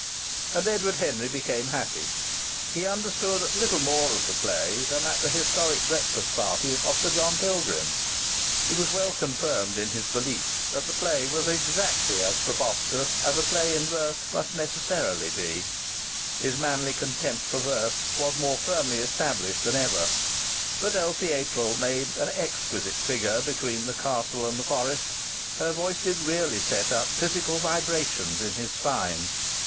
And Edward Henry became happy. He understood little more of the play than at the historic breakfast party of Sir John Pilgrim; he was well confirmed in his belief that the play was exactly as preposterous as a play in verse must necessarily be; his manly contempt for verse was more firmly established than ever but Elsie April made an exquisite figure between the castle and the forest; her voice did really set up physical vibrations in his spine.